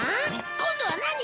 今度は何？